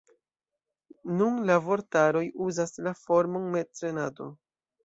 Nun la vortaroj uzas la formon mecenato.